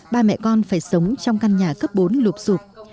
ba mẹ con phải sống trong căn nhà cấp bốn lục dục